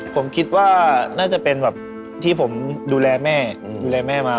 ผมคิดว่าน่าจะเป็นแบบที่ผมดูแลแม่มา